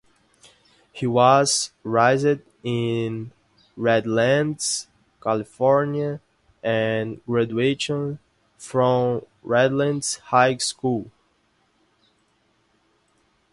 He was raised in Redlands, California, and graduated from Redlands High School.